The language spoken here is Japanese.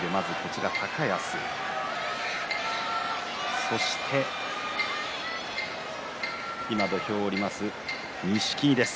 高安そして土俵を下ります錦木です。